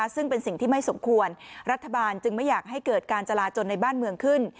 ซึ่งเป็นสิ่งที่ไม่สมควรรัฐบาลจึงไม่อยากให้เกิดการจราจนในบ้านเมืองขึ้น